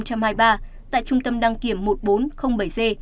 tại trung tâm đăng kiểm một nghìn bốn trăm linh bảy g